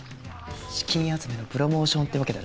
資金集めのプロモーションってわけだね。